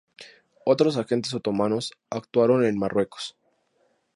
Otros agentes otomanos actuaron en Marruecos.